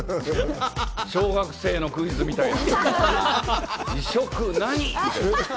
小学生のクイズみたいな。